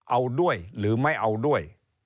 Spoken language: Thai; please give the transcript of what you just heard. เอาด้วยหรือไม่เอาด้วย